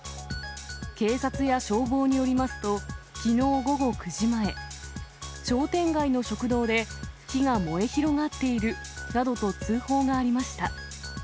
警察や消防によりますと、きのう午後９時前、商店街の食堂で、火が燃え広がっているなどと通報がありました。